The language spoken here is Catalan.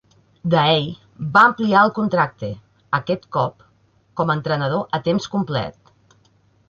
Daei va ampliar el contracte, aquest cop com a entrenador a temps complet.